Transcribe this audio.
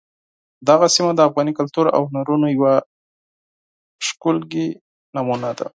دغه سیمه د افغاني کلتور او هنرونو یوه ښکلې نمونه ده.